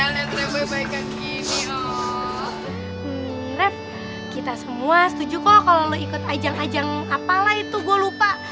rep kita semua setuju kok kalau lo ikut ajang ajang apalah itu gue lupa